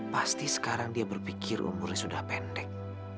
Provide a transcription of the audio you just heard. pasti sekarang dia berpikir umurnya sudah pendek